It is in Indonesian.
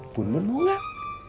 bun bun mau gak